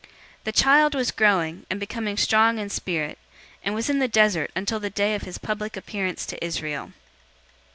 001:080 The child was growing, and becoming strong in spirit, and was in the desert until the day of his public appearance to Israel.